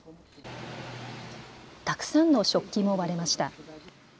たくさんの食器も割れました。